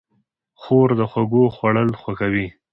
خور د خوږو خوړل خوښوي.